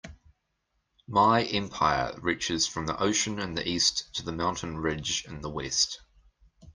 My empire reaches from the ocean in the East to the mountain ridge in the West.